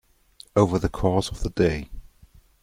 Over the course of the day.